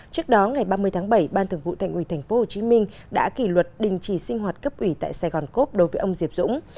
trước đó ngày ba mươi tháng bảy ban thượng vụ thành ủy tp hcm đã kỷ luật đình chỉ sinh hoạt cấp ủy tại sài gòn cốp đối với ông diệp dũng